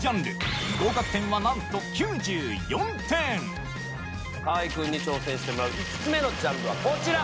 続くは河合君に挑戦してもらう５つ目のジャンルはこちら。